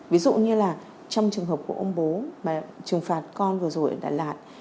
ví dụ như là trong trường hợp của ông bố mà trừng phạt con vừa rồi ở đà lạt